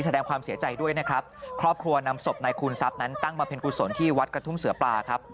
แสดงความเสียใจด้วยนะครับครอบครัวนำศพนายคูณทรัพย์นั้นตั้งมาเป็นกุศลที่วัดกระทุ่มเสือปลาครับ